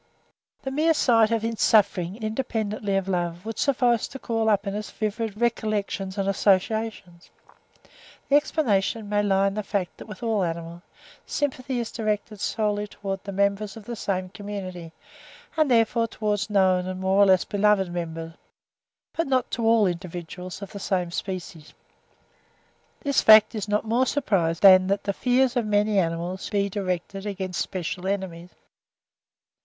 The mere sight of suffering, independently of love, would suffice to call up in us vivid recollections and associations. The explanation may lie in the fact that, with all animals, sympathy is directed solely towards the members of the same community, and therefore towards known, and more or less beloved members, but not to all the individuals of the same species. This fact is not more surprising than that the fears of many animals should be directed against special enemies.